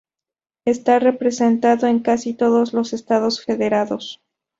Está representado en casi todos los estados federados.